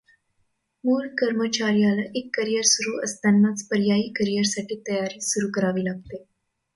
मुळ कर्मचाच्याला एक करिअर सुरू असतानाच पर्यायी करिअरसाठी तयारी सुरू करावी लागते.